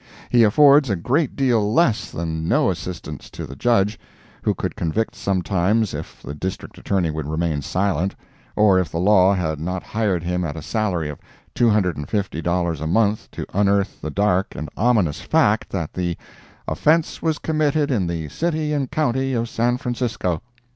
He affords a great deal less than no assistance to the Judge, who could convict sometimes if the District Attorney would remain silent, or if the law had not hired him at a salary of two hundred and fifty dollars a month to unearth the dark and ominous fact that the "offence was committed in the City and County of San Francisco."